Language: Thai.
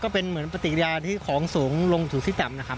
อ๋อก็เป็นเหมือนปฏิกิริยาที่ของสูงลงถูกสิ้นต่ำนะครับ